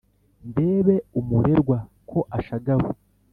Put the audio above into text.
ndebe umurerwa ko ashagawe